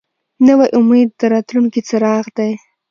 نوی امید د راتلونکي څراغ دی